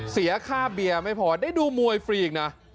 เสียค่าเบียร์ไม่พอได้ดูมวยฟรีอีกนะ